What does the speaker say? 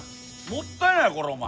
もったいないこれお前。